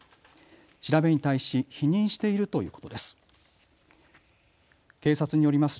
調べに対し否認しているということです。